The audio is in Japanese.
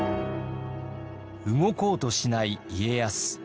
動こうとしない家康。